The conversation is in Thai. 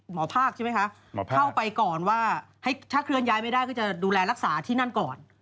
หมอภาคใช่ไหมคะหมอภาคเข้าไปก่อนว่าถ้าเคลื่อนย้ายไม่ได้ก็จะดูแลรักษาที่นั่นก่อน